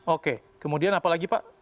oke kemudian apa lagi pak